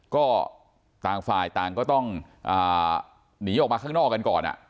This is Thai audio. ก็ต่างฝ่ายต่างก็ต้องหนีออกมาข้างนอกกันก่อน